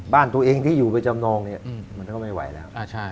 บ้านตัวเองที่อยู่ไปจำนองเนี่ยมันก็ไม่ไหวแล้ว